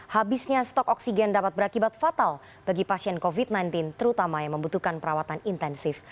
habisnya stok oksigen dapat berakibat fatal bagi pasien covid sembilan belas terutama yang membutuhkan perawatan intensif